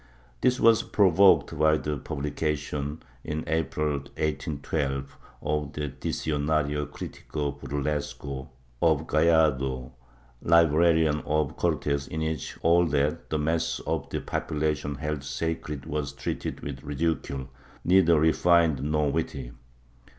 This was provoked by the publication, in April 1812, of the "Diccionario critico burlesco" of Gallardo, librarian of the Cortes, in which all that the mass of the population held sacred was treated with ridicule, neither refined nor wdtty.